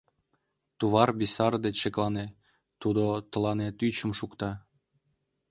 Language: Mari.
Туван-бесар деч шеклане, тудо тыланет ӱчым шукта.